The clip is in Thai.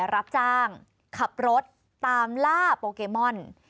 รับจ้างขับรถตามล่าโปเกมอน